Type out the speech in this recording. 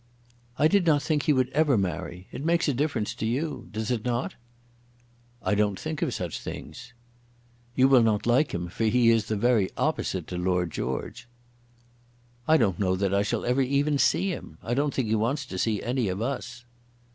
"I did not think he would ever marry. It makes a difference to you; does it not?" "I don't think of such things." "You will not like him, for he is the very opposite to Lord George." "I don't know that I shall ever even see him. I don't think he wants to see any of us."